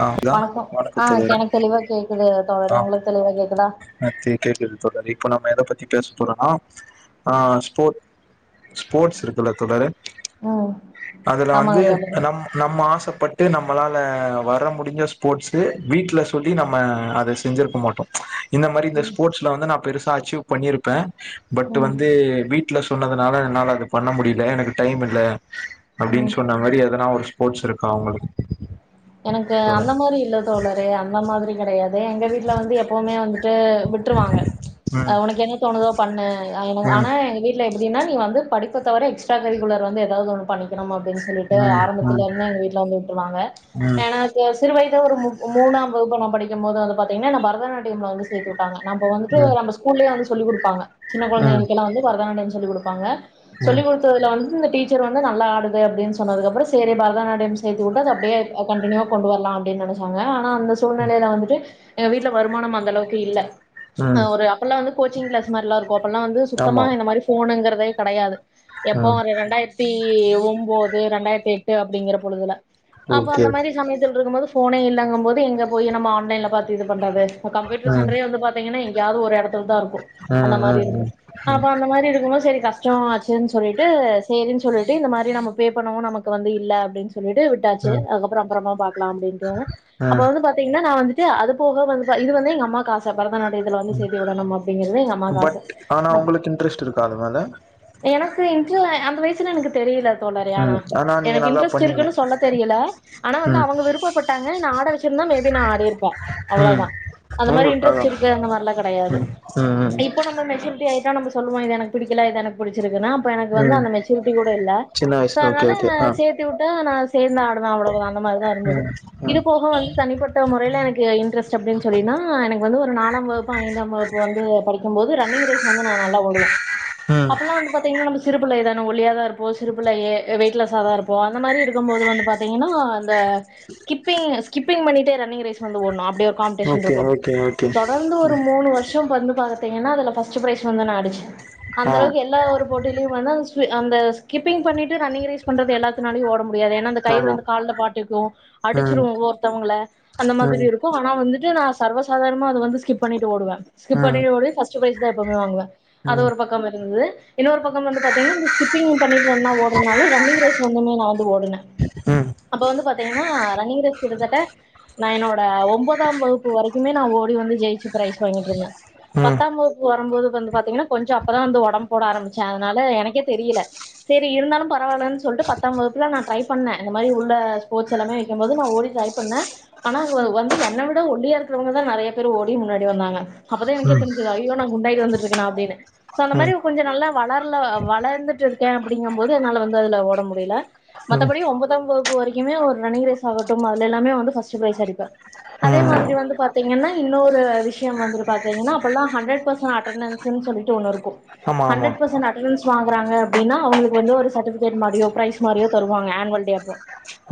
ஆ தான் வணக்கோ வணக்கம் ஆ தோழரே எனக்கு தெளிவா கேக்குது தோழர் உங்களுக்கு தெளிவா கே ஆ கேக்குது தோழரே இப்ப நா ம எத பத்தி பேசப் போறோன்னா ஆ ஸ்போர்ட் ஸ்போர்ட்ஸ் இருக்குல்ல தோழரே ம் அதுல ஆமாங்க வந்து அ தோழரே நம் நம்ம ஆசப்பட் டு நம்மளால வர முடிஞ்ச ஸ்போர்ட்ஸு வீட்ல சொல்லி நம்ம அத செஞ்சிருக்க மாட்டோ இந்த மாரி இந்த ம் ஸ்போர்ட்ஸ்ல வந்து நா பெரு சா அச்சீவ் பண்ணிருப்பே பட் ம் வந்து வீ ட்ல சொன்னதுனால என்னால அது பண்ண முடியல எனக்கு டைம் இல்ல ம் அப்டின்னு சொன்ன மாரி எதனா ஒரு ஸ்போர்ட்ஸ் இருக்கா உங்களுக்கு? எனக்கு ம் அந்த ம் மாரி இல்ல தோழரே அந்த மாதிரி கெடையா து எங்க வீட்ல வந்து எப்பவுமே வந்துட்டு விட்ருவாங்க ஆ உனக்கு என்ன தோணுதோ பண்ணு ஆ எனக்கு ம் ஆனா எங்க வீட்ல எப்டி னா நீ வந்து படிப்ப தவர எக்ஸ்ட்ரா கரிக்குலர் வந்து ஏதாவது ஒன்னு பண்ணிக்கனும் அப் டின்னு சொல்லிட்டு ம் ஆரம்பத்துல இருந்தே எங்க வீட்ல வந்து விட்ருவாங்க. ம் எனக்கு சிறு வய துல ஒரு மூ ஒ மூணாம் வகுப்பு நா படிக்கும்போது வந்து பாத்தீங்கனா நா பரதநாட் டியம்ல வந்து சேத்து விட்டாங்க நா அப்ப வந்துட்டு நம்ம ஸ்கூல்லயே வந்து சொல்லி் குடுப்பாங்க சின்ன ம் கொழந்தைங்களுக்கு எல்லா வந்து பரதநாட்டியம் சொல்லி குடு ப்பாங்க ம் ம் சொல்லிக் குடுத்ததுல வந் இந்த டீச்சர் வந்து நல்லா ஆடுது அப்டின் சொன்னதுக்கப்புறோ சேரி பரதநாட்டியம் சேத்து வுட்டா அது அப்டியே அ கண்டினியூவா கொண்டு வர்லா அப்டின் நெனச்சாங்க ஆனா அந்த சூழ்நெலையில வந்துட்டு எங்க வீட்ல வருமானம் அந்தளவுக்கு இல்ல அ ம் ஒரு அப்பல்லா வந்து கோச்சிங் கிளாஸ் மாரிலா இருக் போ அப்பல்லா வந்து ஆமா சுத்தமா இந்த மாரி ஃபோனுங்குறத் தே கெடையாது எப்போ ம் ஒரு ரெண்டாயிரத்தி ஒன்போத் து ரெண்டாயிரத்தி எட்டு அப்டிங்கற பொழுதுல அப்போ ஓகே அந்த மாரி சமயத்துல் இருக்கும்போது ஃபோனே இல்லங்கம் போது எங்க போயி நம்ம ஆன்லைன்ல பாத்து இது பண்றது இப்போ கம்யூட்டர் ம் சென்டரே வந்து பாத்தீங்கன்னா எங் எங்யாவது ஒரு எடத் துலதா இருக்கு அந்த ம் மாரி ம் இருஞ்சு ம் அப்போ அந்த மாரி இருக்கும் போது சேரி கஷ்டோ ஆச்சுன் சொல்லிட்டு சேரின் சொல்லிட்டு இந்த மாரி நம்ம பே பண்ணவு நமக்கு வந்து இல்ல அப்டின் சொல்லிட்டு விட்டா ம் ம் ச்சு அதுக்கப்புறோ அப்புறமா பாக்கலா அப்டின்ட்டு அப்போ ம் வந்து பாத்தீங்கன்னா நா வந்துட் டு அது போக வந்து ப இது வந்து எங்க அம்மாக் ஆச பரதநாட்டியத்துல வந்து ம் சேத்தி விடணும் அப்டிங்கிறது எங்க அம்மாவுக்கு பட் ஆச ஆனா நம் உங்களுக்கு இன்ட்ரெஸ்ட் இருக்கா அது மேல எனக்கு இன்ரெ அந்த வயிசுல எனக்கு தெரில ம் ஆனா நீங்க நல்லா பண்னீங்க சொல்ல தெரியல ஆனா வந்து அவங்க விருப்பப்பட்டாங்க என்ன ஆட வெச்சுருந்தா மேபி நா ஆடிருப்ப ம் அவ்ளோதா அந்த உங்க மாரி அதா இன்ட்ரெஸ்ட் இருக்கு அந்த மார்லா கெடையாது ம் ம் ம் இப்போ நம்ம மெச்சூரிட்டி ஆயி ட்டா நம்ம சொல்லுவோ இது எனக் புடிக்கல இது எனக் புடுச்சுருக் குனா அப்ப எனக்கு வந்து ம் அந்த மெச்சூரிட்டி கூட இல்ல சின்ன சோ வயசுல ஓகே அதனால ஓகே ஆ சேத்திவுட்டா அந் நாஸ் சேந்து ஆடுவ அவ்ளோவுதா அந்த மாரிதா இருந்தது ம் இது ம் போக வந்து தனிப்பட்ட முறையில எனக்கு இன்ட்ரெஸ்ட் அப்டின் சொல்லினா எனக்கு வந்து ஒரு நாளாம் வகுப்பு ஐந்தாம் வகுப்பு வந்து படிக்கும் போது ரன்னிங் ரேஸ் வந்து நா நல்லா ஓடுவ ம் அப்போலா வந்து பாத்தீங்கன்னா நம்ம சிறு புள்ளைகதான் னு ஒல்லியாதா இருப்போ சிறுப்புள்ளையே வெயிட்லாசாதா இருப்போ அந்த மாரி இருக் போது வந்து பாத்தீங்கன்னா அந்த ஸ்கிப்பிங் ஸ்கிப்பிங் பண்ணிட்டே ரன்னிங் ரேஸ் வந்து ஓணு அப்டி ஒரு காம்படிஷன் ஓகே இருக்கு ஓகே தொடர்ந்து ஒரு மூணு வருஷ வந்து பா த்திங்கன்னா அதுல ஃபஸ்ட் பிரைஸ் வந்து நா அடிச் ஆ அந்த அளவுக்கு எல்லா ஒரு போட்டியிலேயு வந்து [unintelligible] அந்த ஸ்கிப்பங் பண்ணிட்டு ரன்னிங் ரேஸ் பண்ற எல்லாத்தனாலயு ஓட முடியாது ஏனா அந்த கயிறு ஆமா வந்து கால்ல பாட்டு ம் ம் அடிச்சுறுவோ ஒருத்தவங்கள அந்த மாரி ம் இருக்கு ஆனா வந்துட்டு நா சர்வசாதார அது வந்து ஸ்கிப் பண்ணிட்டு ஓடுவே ஸ்கிப் ம் ம் பண்ணிட்டு ஓடி ஃபஸ்ட் ப்ரைஸ்தா எப்பமே வாங்குவ அது ம் ஒரு பக்கம் இருந்தது இன்னொரு பக்க வந்து பாத்தீன்னா இந்த ஸ்கிப்பிங் பண்ணிட்டு ரன்னா ஓடுறனால ரன்னிங் ரேஸ் வந்துமோ வந்து டு ஓடுன அப்ப வந்து பாத்தீங்கன்னா ரன்னிங் ரேஸ் கிட்டத்தட்ட நா என்னோட ஒன்பதாம் வகுப்பு வரைக்குமே நா ஓடி வந்து ஜெயிச்சு ப்ரைஸ் வாங்கிட்டு இருந்தே ம் பத்தாவகுப்பு வருபோது வந்து பாத்தீங்கன்னா கொஞ்ச அப்பதா வந்து வொடம்ப போட ஆரம்பிச்சே அதனால எனக்கே தெரில சரி இருந்தாலு பரவாயில்லன்னு சொல்லிட்டு பத்தாம் வகுப் இப்பல்லா நா ட்ரை பண்ண இந்த மாரி உள்ள ஸ்போர்ஸ் எல்லாமே வக்கும்போது நா ஓடி ட்ரை பண்ணே ஆனா வந்து என்னை விட ஒல்லியா இருக்கிறவங்கதா நெறைய பேர் ஓடி முன்னாடி வந்தாங்க அப்பதா எனக்கே ம் தெரிஞ்சது ஐயோ நா குண்டாயிட்டு வந்துட்டுக்கே அப்டின்னு அந்த ம் மாரி கொஞ்ச நல்லாளர்ல வளர்ந்துட்டு இருக்கே அப்டிங்க போது என்ன வந்து அதுல ஓட முடில மத்தபடி ஒம்பதா வகுப்பு வரைக்குமே ஒரு ரன்னிங் ரேஸ் ஆகட்டு அதுல எல்லாமே வந்து பஸ்ட் ப்ரைஸ் அடிப்பே அதே மாரி ம் வந்து பாத்தீங்கன்னா இன்னொரு விஷய வந்து பாத்தீங்கனா அப்பல்லா ஹண்ட்ரட் பர்ச் அட்டனன்ஸ்ஸு சொல்லிட்டு ஒண்ணு இருக்கு ஆமா ஆமா ஹண்டட் பர்சன் ஆட் ன்ஸ் வாங்குறாங்க அப்டின்னா அவங்களுக்கு வந்து சர்டிபிகேட் மாரியோ பிரைஸ் மாரியு தருவாங்க ஆன்வல் டே அப்போ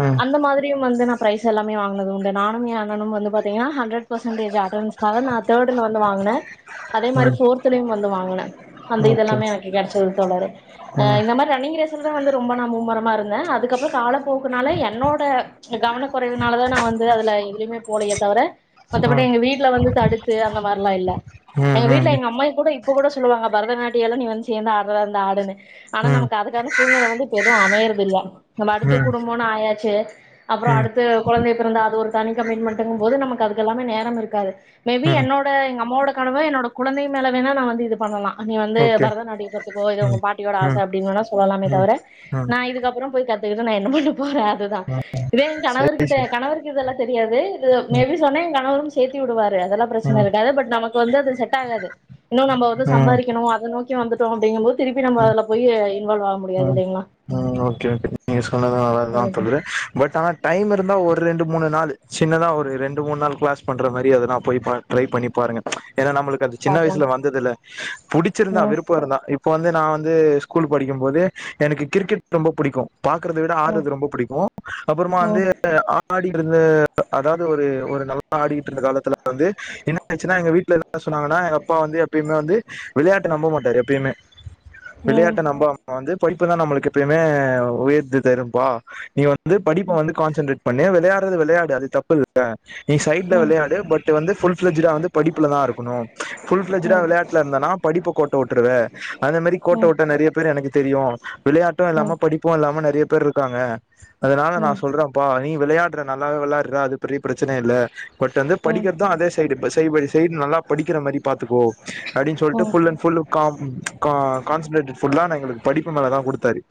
ம் அந்த மாதிரியு வந்து நா ப்ரைஸ் எல்லாமே வாங்குனதுண்டு நானு எ அண்ணனு வந்து பாத்திங்கனா ஹன்ரடட் பர்சன்டேச் அட்டனன்ஸ்காக நா தேர்டு வாங்குன அதே மாறி ம் ஃபோர்த்துலையும் வந்து வாங்குனே அந்த ஓகே இதெல்லாமே எனக்கு கெடைச்சுரு தொடரு ம் இந்த மாரி ரன்னிங் ரேஸ் தா வந்து ரொம்ப ந மும்மர இருந்தே அதுக்கப்பறம் கால போக்குனால என்னோட கவன குறைனால தா நா வந்து அதுல எதுலுமே போலைய ம் தவிரபடி எ வீட்ல வந்து தடுத்து அந்த மாதிரா இல்ல எ ம் வீட்ல ம் எங்க அம்மா கூடப்ப கூ சொல்லுவாங்க பரதநாட்டிய வந்து சேர் ஆடுற ஆனா ம் நமக்கு அதுக்கான சூழ்நில வந்துப்ப எதும் அமயல நம அடுத்த ம் குடும்பம்னு ஆயாச்சு அப்பறம் ம் அடுத்த கொழந்தை பிறந்த அது ஒரு தனி கமிட்மென்ட்ங்கு போது நமக்கு அதுகெல்லாமே நேர இருக்காது மே பி ம் என்னோட எங்க அம்மோட கனவ என்னோட கொழந்தை மேலவே நா வந்து பண்ணலா நீ வந்து ஓகே பரதநாட்டியத்துக்க உங்க பாட்டியோட ஆச அப்டின்னு சொல்லலாமே தவிர ஆ கத்துக்கட்டு நா என்ன பண்ண போறே அதுதா இதே கணவர் சரி கிட்ட சார் கணவர் இதெல்லா தெரியாது இது மே ம் பி சொன்னா எங்க கணவரும் சேத்தி விடுவாரு அதெல்லா பிரச்சன ம் இருக்காது பட் நமக்கு வந்து அது செட் ஆகாது இன்னு நம்ம வந்து ம் ம் சம்பாதிக்கணு அத நோக்கி வந்துட்டோ அப்டிங்கு போது திருப்பி நம்ம ம் அதுல போய் இன்வால்வ் ஆக முடியாது இல்லிங்களா கே கே நீங்க சொன்னதுனாலதா தோது பட் ஆனா டைம் இருந்தா ஒரு ரெண்டு மூணு நாள் சின்னதா ஒரு ரெண்டு மூண் நாள் கிளஸ் பண்ற மாரி அத நா போய் ட்ரை பண்ணி பாருங்க ஏனா நம்மளுக்கு அது சின்ன பாக்கலாம் வயசுல வந்ததில்ல புடிச்சிருந்தா ம் விருப்ப இருந்தா இப் இப்போ வந்து நா வந்து ஸ்கூல் படிக்கு போது எனக்கு கிரிக்கெட் ரொம்ப புடிக்கு பார்கறத விட ம் ஆடுறது ரொம்ப புடிக்கு அப்பறமா ம் வந்து ஆடி பாடி இருந்து அதாவது ஒரு ஒரு நல்லா ஆடிக்கிட்டு இருந்த காலத்துல வந்து என்ன ஆச்சுன்னா எங்க வீட்ல என்ன சொன்னாங்கன்னா எங்க அப்பா வந்து எப்பயுமே வந்து விளயாட்ட நம்ப மாட்டாரு எப்பயுமே ம் விளையாட்ட நம்பாம வந்து இப்பதா நமக்கு எப்பயுமே உயர்த்த திருப்பா நீ வந்து வந்து படிப்ப வந்து கான்சன்ட்டேட் பண்ணி வெளயாடுறது வெளயாடு அது தப்பு இல்ல நீ சைட்ல ம் ம் ம் ம் ம் ம் ம் ம் ம் ம் வெளயாடு பட் வந்து புல் ஃபெளஜ்சிடுலா வந்து படிப்புலா தா இருக்கணு ஃபுல் ஃபெளஜ்ச்சிடா வெளயாட்டுல இருந்த நா படிப்புல கோட்ட விற்றுவ அந்த மாரி கோட்ட விட்ட நெறய பேரு எனக்கு தெரியு வெளயா விளையாட்டு இல்லாம படிப்போ இல்லாம நெறய பே பேர் இருக்காங்க அதனால நா சொல்றேன்ப்பா நீ விளையாடுற நல்லாவே விளையாடுற அது பெரிய பிரச்சன இல்ல பட் வந்து படிக்கிறதுதா அதே சைடு சைட் பை சைட் நல்லா படிக்கிற மாரி பாத்துக்கோ அப்டின்னு சொல்ட்டு ஃபுல் அண்ட் ஃபுல் கா கா கான்சன்ட்ரேட் ஃபுல்லா நா எனக்கு படிப்பு மேலே தா குடுத்தாரு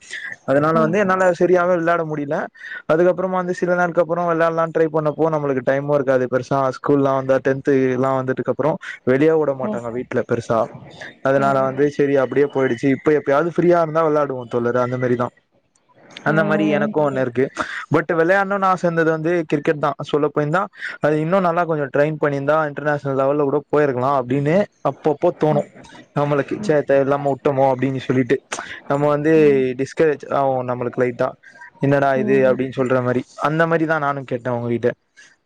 அதனால வந்து என்னால சரியாவே விளாட முடியல அதுக்கப்புறமா வந்து சில நாள்க்கு அப்புறமா விளாடலா ட்ரை பண்ணப்போ நம்மளுக்கு டைமு இருக்காது பெருசா ஸ்கூல் எல்லா வந்தது டென்த் எல்லா வந்ததுக்கு அப்றோ வெளியேவு விட மாட்டாங்க வீட்ல பெருசா அதனால வந்து சரி அப்டியே போயிடுச்சு இப்ப எப்பயாவது ஃப்ரீயா இருந்தா வெளாடுவோ சொல்லற அந்த மாரி தா அந்த மாரி எனக்கு ஒன்னு இருக்கு பட் வெளயாடனுன் ஆச வந்தது கிரிக்கெட் தா சொல்ல போயிருந்தா அத இன்னு நல்லா கொஞ்ச ட்ரை பண்ணிருந்தா இன்டர்நேஷனல் லெவல்ல கூட போயிருக்கலா அப்டின்னு அப்பப்போ தோணு நம்மளுக்கு சே தேவ இல்லாம விட்டமோ அப்டின்னு சொல்லிட்டு நம்ம வந்து இது ம் டிஸ்கரேஜ் ஆகு நம்மளுக்கு லைட்டா என்னடா இது ம் ம் அப்டின்னு சொல்ற மாரி அந்த மாரிதா நானு கேட்டே ஒங்ககிட்ட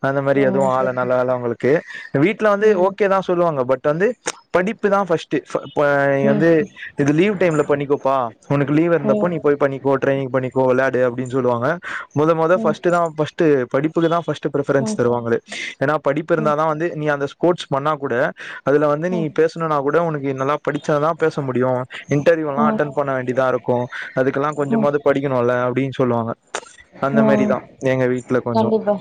அந்த மாரி எதுவு ம் ஆள சரி நல்ல வேல ஒங்களுக்கு கே வீட்ல வந்து ம் ஓகே தா சொல்லுவாங்க பட் டாந்து படிப்பு தா பஸ்ட்டு இப்போ ம் நீ வந்து இது லீவ் டைம்ல பண்ணிக்கோப்பா உனக்கு லீ்வு இருந்தப்போ நீ போய் பண்ணிக்கோ ட்ரைனிங் பண்ணிக்கோ விளையாடு அப்படின்னு சொல்வாங்க முத முத ம் ம் ஃபஸ்டுதா ஃபஸ்ட்உ [unintelligible] படிப்புக்கு தா ஃபஸ்ட் டு ம் ஃபிரிபரன்ஸ் தருவாங்களே ஏன்னா படிப்பு இருந்தா ம் தா வந்து நீ அந்த ஸ் கோட்ஸ் பண்ணா கூட அதுல வந்து நீ ம் பேசனுனா கூட உனக்கு நல்லா படிச்ச தா பேச முடியு இன்டர்வியூ எல்லா ம் அட்டன் ண்னாடிதா இருக்கு அதுக்கெல்லா ம் கொஞ்சமாவது படிக்கணுல அப்டின் சொல்லுவாங்க அந்த ம் மேரிதா எங்க வீட் கண்டிப்பா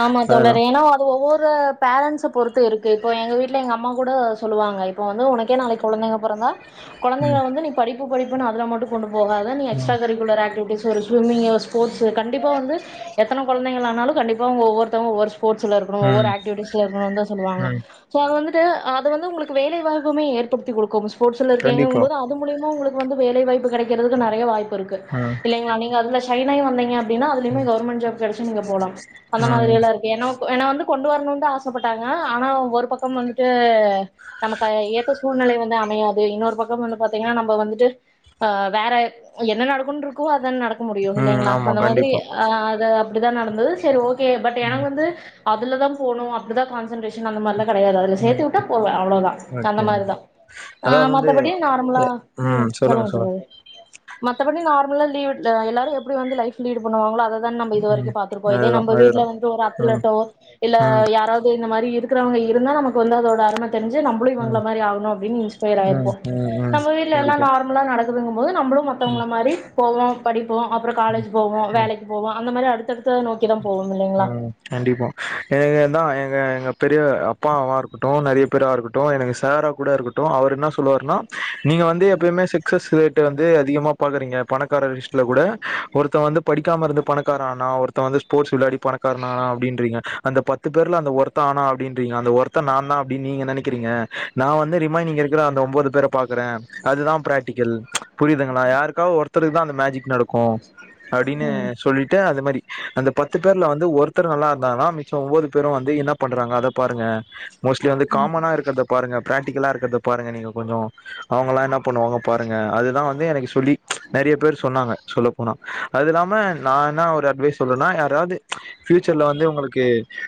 ஆமா தோலரே ஏன்னா அது ஒவ்வொரு பேரன்ஸ பொறுத்து இருக்கு இப்போ எங்க வீட்ல எங்க அம்மா கூட சொல்லுவாங்க இப்போ வந்து உனக்கே நாளைக்கு குழந்தைங்க பொறந்தா ம் குழந்தைகள வந்து நீ படிப் ப்பு படிப்புனு அதல மட்டு கொண்டு போகாத நீ ம் extra curricular activities swimming sports கண்டிப்பா வந்து எத்தன குழந்தைங்கள ஆனாலு கண்டிப்பா உங்க ஒவ்வொர்த்தவுங்க ஒரு ஸ்போட்ஸ்ல இருக்கனு ம் ஒவ்வொரு ஆக்டிவிடிஸ்ல இருக்னுன்தா சொல்லுவாங்க ம் சோஅது வந்து வந்து அது வந்து உங்களுக்கு வேலைவாய்ப்புமே ஏற்படுத்தி் கொடுக்கு [unintelligible] ஸ்போட்ஸ்ல கண்டிப்பா இருக்கீங்கம்போது அது மூல்யமா உங்களுக்கு ப்பு வந்து வேலைாய்ப்பு கடைக்கறதுக்கு நறையா வாய்ப்பு இருக்கு ம் இல்லைங்களா நீங்க அதுல ஷ ஷைனாயி வந்தீங்க அப்டினா அதுலைய்மே ம் கவர்மெ்ன் ஜாப் கடச்சி நீங்க போலா அந்த மாத்ரி ம் எல்லா இருக்கு ஏனா ஏன வந்து கொண்டு வரணுன்தா ஆசப்பட்டாங்க ஆனா ஒரு பக்க வந்துட்டு நமக்கு ஏத்த சூழ்நிலை வந்து அமையாது இன்னொரு பக்க வந்து பாத்தீங்கின்னா நம்ம வந்துட்டு வேற என்ன நடக்குனு இருக்கு தான நடக்க முடியு ம் இல்லைங்களா ஆமா அந்த மாதிரி கண்டிப்பா ஆ அத அப்டிதா நடந்தது சரி ஓ கே பட் ம் எனக்கு வந்து அதுல தா போனு அப்புடிதா கான்சன்ட்ரேஷ ன் அந்த மாரிலா கடையாது அதுல ம் சேத்துவிட்டா போவே அவ்ளதா அந்த ஓகே மாரி ஓகே. தா ஆ அதாவது வந்து மத்தபடி நார்மலா எ உ ம் சொல்லுங்க சொல்லு தோழரே மத்தபடி நார் [unintelligible] லீ் எல்லார எப்டி வந்து லைஃப் லீ்ட் பண்ணுவாங்களோ அத [unintelligible] பன்னம் இது சொல்லுங்க ம் வரைக்கு [unintelligible] த்திருக்கோ இதே அதுதா நம்ம வீட்ல அதுதா வந்து ஒரு ம் அத்லெட்டோ இல்ல ம் யாராவது இந்த மாரி இருக்கிறவுங்க இருந்தா நமக்கு வந்து அதோட அரும தெரி்ஞ்சு நம்மளு ம் இவங்கள ம் மாரிஆகணு அப்படின்னு இன்ஸ்பயர் ஆயிருப்போ ம் ம் நம்மவீட்லலா கண்டிப்பா நார்மலா நடக்க [unintelligible] போது நம்மளு ம் மத்தவங்கள மாரி போவோ படிப் போ அப்புற காலேஜ் போவோ வேலைக்கு போவ அந்த மாரி அடு த்த உ கண்டிப்பா எனக்கு அந் தா எங்க எங்க பெரிய அப்பாவா இருக்கட்டு நறையா பேரா இருக்கட்டு எனக்கு சாரா கூட இருக்கட்டு அவர் என்ன சொல்லுவாருனா நீங்க வந்து எப்பயுமே சக்சஸ் ரேட்டு வந்து அதிகமா பாக்குறீங்க பணக்காரர் லிஸ்ட்ல கூட ஒருத்தன் வந்து படிக்காம இருந்து பணக்காரனாரானா ஒரு வந்து ஸ்போர்ட்ஸ் விளையாடி பணக்காரனானா அப்படின்றீங்க அந்த பத்து பேர்ல அந்த ஒருத்த ஆனா அப்படின்றீங்க அந்த ஒருத்த நா தா அப்படின்னு நீங்க நினைக்கிறீங்க நா வந்து ரிமைனிங் இருக்கிற அந்த ஒன்பது பேர பாக்குறே அதுதா பிராக்டிக்கல் புரியுதுங்களா யாருக்காவ ஒருத்தருக்கு தா அந்த மேஜிக் நடக்கு அப்டின்னு ம் சொல்லிட்டு அது மாரி அந்த பத்து பேர்ல வந்து ஒருத்தர் நல்லா இருந்தாங்கன்னா மிச்ச ஒன்பது பேரு வந்து என்ன பண்றாங்க அத பாருங்க மோஸ்ட்லி வந்து காமனா இருக்கறத பாருங்க பிராடிகலா இருக்குறத பாருங்க நீங்க கொஞ்சோ அவங்கலா என்ன பண்ணுவாங்க பாருங்க அதுதா வந்து எனக்கு சொல்லி நறையா பேர் சொன்னாங்க சொல்ல போனா அது இல்லாம நானா ஒரு அட்வைஸ் சொல்னுனா யாராவது ஃபியூச்சர்ல வந்து உங்களுக்கு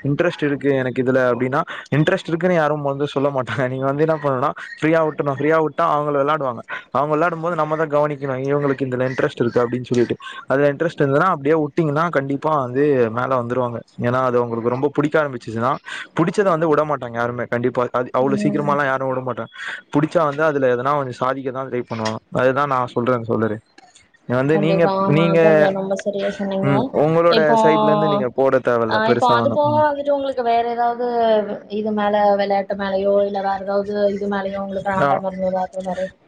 இன்ட்ரெஸ்ட் இருக்கு எனக்கு இதுல அப்படின்னா இன்ட்ரெஸ்ட் இருக்குன்னு யாரு வந்து சொல்ல மாட்டாங்க நீங்க வந்து என்ன பண்ணனுனா ஃப்ரியா விட்ருனு ஃப்ரீயா விட்டா அவங்கல விளயாட் வாங்க அவங்க விளாடும் போது நம்ம கவனிக்கனு இவங்களுக்கு இதுல இன்ட்ரஸ்ட் இருக்கு அப்டின் சொல்லிட்டு‌ அதுல இன்ட்ரஸ்ட் இருந்துதனா அப்டியே உட்டிங்கனா கண்டிப்பா வந்து மேல வந்துருவாங்க ஏன்னா அது அங்களுக்கு ரொம்ப பிடிக்க ஆரம்பிச்சுனா பிடிச்சத வந்து விடமாட்டாங்க யாருமே கண்டிப்பா அது அவ்வள ம் சீக்கிரமாலா யாரு விடமாட்டே புடிச்சா வந்து அதுல எதுனா ஒருஸ் சாதிக்கதா ட்ரை பண்ணுவா அதுதா நா சொல்றே தோழரே வந்து நீங்க கண்டிப்பா ஆமா நீங்க அதவு இல்ல ரொம்ப சரியா சொன்னீங்க ம் உங்களோட இப்போ சைட்ல இருந்து நீங்க போட ஆ தேவல்ல இப்போ பெருசா அது போக ஒன்னும் வந்துட்டு உங்களுக்கு வேற ஏதாவது வே இது மேழ விளையாட்டு மேழயோ இல்ல வேரதாவது ஆ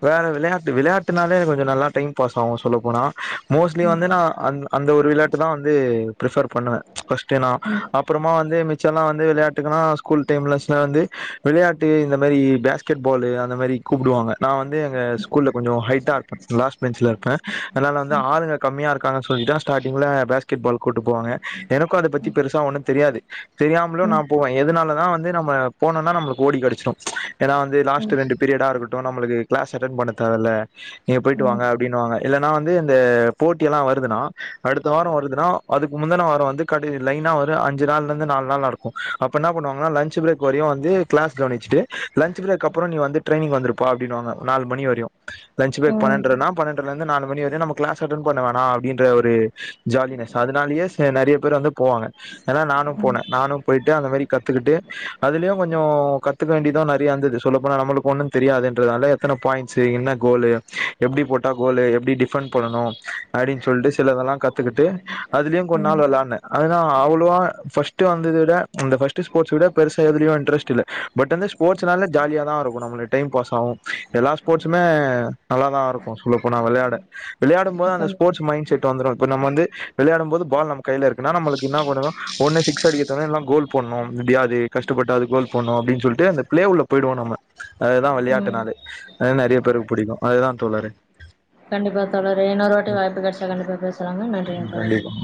வேற விளையாட்டு விளையாட்டுனாலே கொஞ்ச நல்லா டைம் பாஸ் ஆகு சொல்ல போனா மோஸ்ட்லி வந்து நா அங்லா அந்த ஒரு விளையாட்டு தா வந்து ப்ரிஃபர் பண்ணுவே ஃபஸ்ட்டு நா அப்புறமா வந்து மி ச்சுல்லா வந்து விளையாட்டுக்கலா ஸ்கூல் டைம்ஸ்ல வந்து விளையாட்டு இந்த மாரி பேஸ் கெட் பாலு அந்த மாரி கூப்புடுவாங்க நா வந் ந்து எங்க ஸ்கூல்ல கொஞ்சோ ஹைட்டா இருப்ப லாஸ்ட்பென்சுல இருப்ப அதனால வந்து ஆளுங்க கம்மியா இரு இருக்காங்கன் சொல்லிதா ஸ்டாடிங்குல பேஸ்கெட் பால் கூட் ட்டு போவாங்க எனக்கு அத பத்தி பெருசா ஒண்ணும் தெரியாது தெரியாமலு நா போவ எதனால தா வந்து நம்ம போனோன்னா நம்மளுக்கு ஓடி கெடச்சுரு ஏனா வந் து லாஸ்ட்டு ரெண்டு பீரியடா இருக்கட்டு நம்ளுக்கு கிளாஸ் செரன் பண்ண தேவல்ல நீங்க போயிட்டு வாங்க அப்டின்னு வாங்க இல்லன் நா வந்து அந்த போட்டி எல்லா வருதுனா அடுத்த வாரோ வருதுனா அதுக்கு முந்துன வாரோ வந்து கடையில் லைனா வரு அஞ்சு நாள்ல இருந்து நால் நாள் நடக்கு அப்ப என்ன பண்ணுவாங்கன்னா லன்ச்சு பிரேக் வரையு வந்து கிளாஸ் கவனுச்சுட்டு லன் ச்சு பிரேக் அப்புறோ நீ வந்து ட்ரைனிங் வந்துருப்பா அப்டின்னுவாங்க நால் மணி வரையு லன்ச்சு பிரேக் பன்னென்றனா பன்னென்றல இருந்து நாலு மணி வரையு நம்ம கிளாஸ் அட்டன் பண்ண வோனா அப்டின்ற ஒரு ஜாலினஸ் அதனாலயே சே நறையா பேரு வந்து போவாங்க ஏனா நானும் ம் போன நானும் போயிட்டு அந்த மாரி கத்துக்கிட்டு அதுலயு கொஞ்சோ கத்துக்க வேண்டிது நர் ரியாந்தது சொல்ல போனா நம்மளுக்கு ஒண்ணும் தெரியாதுன்றதுனால எத்தன பாயின்ட்ஸ் என்ன கோலு எப்டி போட்டா கோலு எப்டி டிஃபன் பண்ணனு அப்டின் சொல்லிட்டு சிலதெல்லா கத்துக்கிட்டு அதுலயு கொஞ்ச ம் நாள் வெளையாடுன அதுதா அவ்ளோவா ஃபஸ்ட் டு வந்தத விட அந்த ஃபஸ்ட்டு ஸ்போட்ஸ் விட பெருசா எதுலியு இன்ட்ரெஸ்ட் இல்ல பட் வந்துஸ் ஸ்போட்ஸ்னாலே ஜாலியாதா இருக்கு நம்மளைய டைம் பாஸ் ஆகு எல்லா ஸ்போட்ஸுமே நல்லாதா இருக்கு சொல்ல போனா வெளையாட விளையாடும் போது அந்த கண்டிப்பா ஸ்போட்ஸ் மைண்ட் செட் வந்துரு இப்போ நம்ம வந்து விளையாடும் போது பால் நம்ம கைல இருக்குனா நம்மளுக்கு என்ன பண்ணனு ஒன்னு சிக்ஸ் அடிக்குறது ஒன்னு இல்லனா கோல் போன்னும் முடியாது கஷ்டப்பட்டாவது கோல் போன்னு அப்டின் சொல்ட்டு அந்த பிளே உள்ள போயிடுவோ நம்ம அதுதா விளையாட்டு ம் நாளு அ நறையா பேருக்கு புடிக்கு அதுதா தோழரே கண்டிப்பா தோழரே இன்னொரு வாட்டி வாய்ப்பு கெடச்சா கண்டிப்பா பேசுலாங்க நன்றிங்க தோழரே கண்டிப்பா